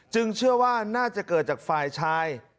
เชื่อว่าน่าจะเกิดจากฝ่ายชาย